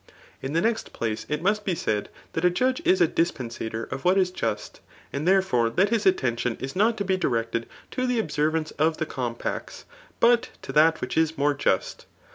] In the next place it must be said that a judge is a dispen aator of what is just ; and therefore that his attrition is not to be directed to the observance of the compact^ but to that which is more just.